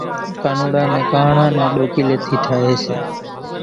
ڪانوڙا نين ڪانۿڙا نين ڏوڪيلين ٿي ٺاھي سي